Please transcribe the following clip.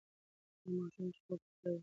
هغه ماشوم چې خوب یې پوره وي، خوشاله وي.